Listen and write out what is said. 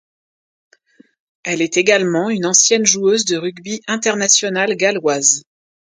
Elle est également une ancienne joueuse de rugby internationale galloise.